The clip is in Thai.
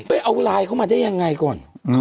ไปเอาไลน์เข้ามาได้ยังไงก่อน